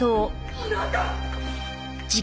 あなた！